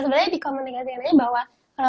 sebenarnya dikomunikasikan aja bahwa